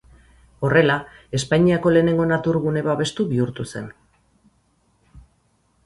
Horrela, Espainiako lehenengo naturagune babestu bihurtu zen.